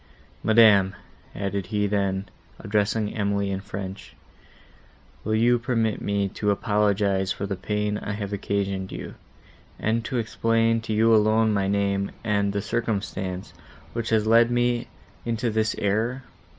Madam," added he then, addressing Emily in French, "will you permit me to apologise for the pain I have occasioned you, and to explain to you alone my name, and the circumstance, which has led me into this error?